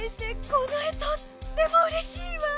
このえとってもうれしいわ！